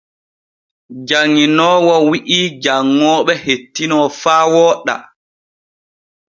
Janŋinoowo wi’i janŋooɓe hettino faa wooɗa.